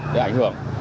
để ảnh hưởng